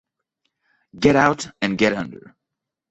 Get Out and Get Under